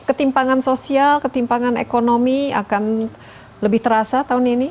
ketimpangan sosial ketimpangan ekonomi akan lebih terasa tahun ini